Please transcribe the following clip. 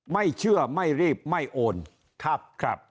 ไม่เชื่อไม่รีบไม่โอนครับ